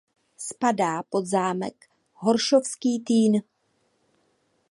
Spadá pod zámek Horšovský Týn.